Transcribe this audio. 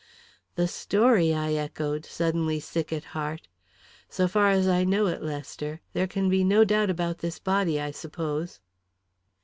"The story?" I echoed, suddenly sick at heart. "So far as I know it, Lester. There can be no doubt about this body, I suppose?"